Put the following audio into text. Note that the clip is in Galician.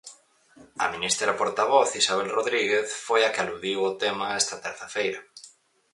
A ministra portavoz, Isabel Rodríguez, foi a que aludiu ao tema esta terza feira.